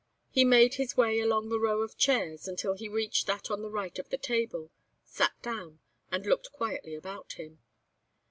He made his way along the row of chairs, until he reached that on the right of the table, sat down and looked quietly about him.